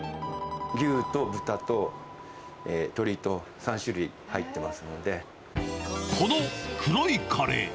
牛と豚と鳥と３種類入ってまこの黒いカレー。